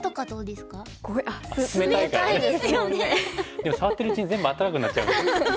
でも触ってるうちに全部温かくなっちゃう。